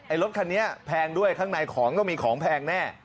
รถคันนี้แพงด้วยข้างในของต้องมีของแพงแน่